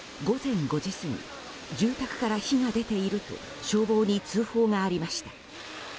午前５時過ぎ住宅から火が出ていると消防に通報がありました。